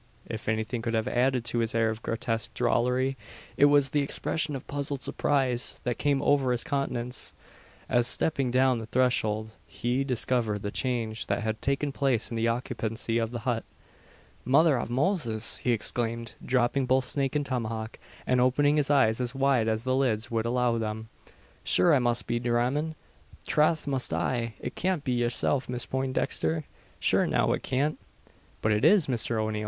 If anything could have added to his air of grotesque drollery, it was the expression of puzzled surprise that came over his countenance; as, stepping upon the threshold, he discovered the change that had taken place in the occupancy of the hut. "Mother av Moses!" he exclaimed, dropping both snake and tomahawk, and opening his eyes as wide as the lids would allow them; "Shure I must be dhramin? Trath must I! It cyant be yersilf, Miss Pointdixther? Shure now it cyant?" "But it is, Mr O'Neal.